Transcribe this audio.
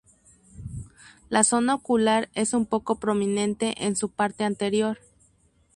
La zona ocular es un poco prominente en su parte anterior.